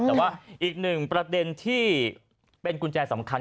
แต่ว่าอีกหนึ่งประเด็นที่เป็นกุญแจสำคัญ